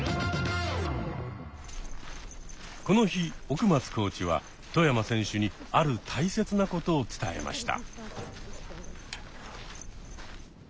この日奥松コーチは外山選手にある大切なことを伝えました。